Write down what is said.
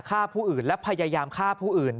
ฆ่าผู้อื่นและพยายามฆ่าผู้อื่น